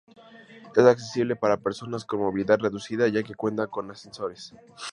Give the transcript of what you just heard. Es accesible para personas con movilidad reducida ya que cuenta con ascensores.